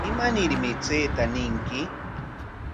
¿Imanarmi chayta ñinki?